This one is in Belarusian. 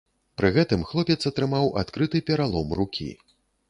Пры гэтым хлопец атрымаў адкрыты пералом рукі.